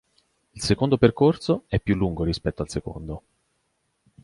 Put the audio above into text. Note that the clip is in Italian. Il secondo percorso, è più lungo rispetto al secondo.